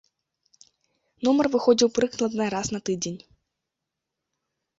Нумар выходзіў прыкладна раз на тыдзень.